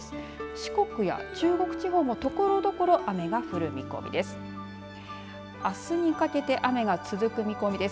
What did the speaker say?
四国や中国地方もところどころ雨が降る見込みです。